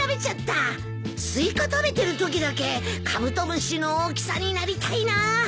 食べてるときだけカブトムシの大きさになりたいな。